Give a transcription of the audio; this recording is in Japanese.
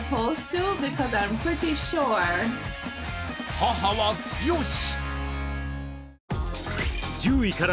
母は強し！